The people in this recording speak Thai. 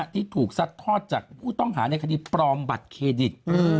ที่ถูกซัดทอดจากผู้ต้องหาในคดีปลอมบัตรเครดิต